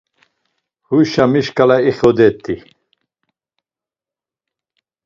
Huşa mi şkala ixodet̆i?